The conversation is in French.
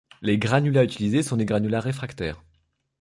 Les granulats utilisés sont des granulats réfractaires.